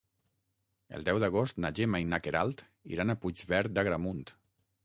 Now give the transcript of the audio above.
El deu d'agost na Gemma i na Queralt iran a Puigverd d'Agramunt.